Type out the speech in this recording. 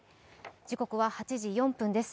時刻は８時４分です。